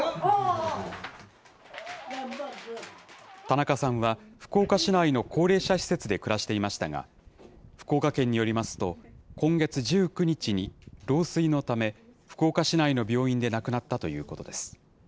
田中さんは、福岡市内の高齢者施設で暮らしていましたが、福岡県によりますと、今月１９日に老衰のため、福岡市内の病院で亡くなったということです。